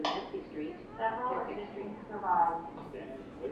Several editions survived.